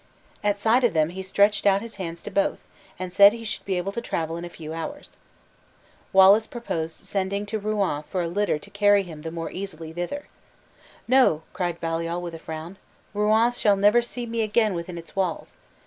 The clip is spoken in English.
At sight of them he stretched out his hands to both, and said he should be able to travel in a few hours. Wallace proposed sending to Rouen for a litter to carry him the more easily thither. "No," cried Baliol with a frown; "Rouen shall never see me again within its walls.